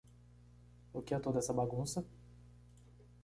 O que é toda essa bagunça?